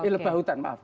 lebah hutan maaf